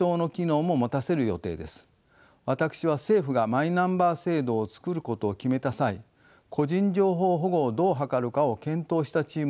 私は政府がマイナンバー制度を作ることを決めた際個人情報保護をどう図るかを検討したチームの一員でした。